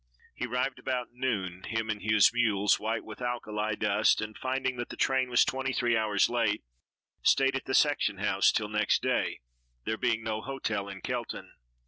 He arrived about noon, him and his mules white with alkali dust, and finding that the train was twenty three hours late, stayed at the section house till next day, there being no hotel in Kelton.